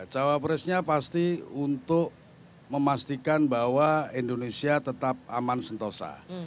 cawapresnya pasti untuk memastikan bahwa indonesia tetap aman sentosa